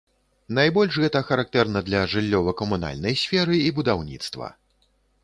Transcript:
Найбольш гэта характэрна для жыллёва-камунальнай сферы і будаўніцтва.